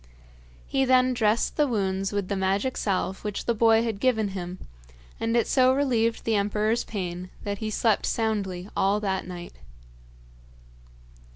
He then dressed the wounds with the magic salve which the boy had given him, and it so relieved the emperor's pain that he slept soundly all that night.